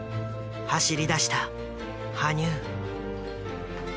走りだした羽生。